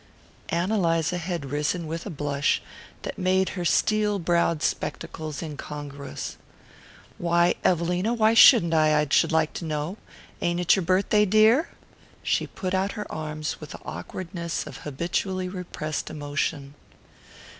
Ann Eliza had risen with a blush that made her steel browed spectacles incongruous. "Why, Evelina, why shouldn't I, I sh'ld like to know? Ain't it your birthday, dear?" She put out her arms with the awkwardness of habitually repressed emotion.